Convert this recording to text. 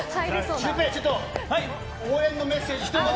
シュウペイ、応援のメッセージ、ひと言。